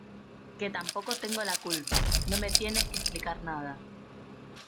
que tampoco tengo la culpa. no me tienes que explicar nada .